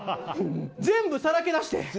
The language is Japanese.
全部さらけ出して！